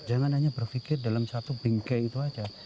jangan hanya berpikir dalam satu bingkai itu saja